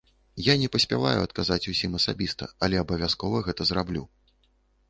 Я не паспяваю адказаць усім асабіста, але абавязкова гэта зраблю.